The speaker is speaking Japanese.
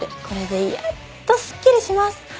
これでやっとすっきりします。